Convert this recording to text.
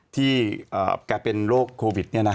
ที่กลายเป็นโรคโควิด